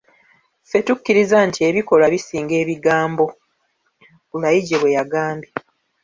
"Ffe tukkiriza nti ebikolwa bisinga ebigambo.” Kulayigye bw'agambye.